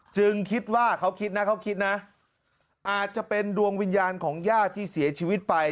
จึงคิดว่าเขาคิดนะเขาคิดนะอาจจะเป็นดวงวิญญาณของญาติที่เสียชีวิตไป